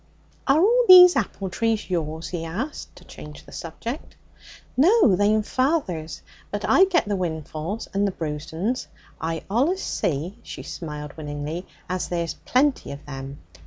'Are all these apple trees yours?' he asked to change the subject. 'No, they'm father's. But I get the windfa'ls and the bruised 'uns. I allus see' she smiled winningly 'as there's plenty of them.